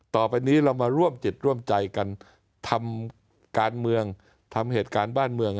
ต่อไปนี้เรามาร่วมจิตร่วมใจกันทำการเมืองทำเหตุการณ์บ้านเมือง